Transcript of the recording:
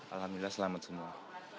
alhamdulillah selamat semua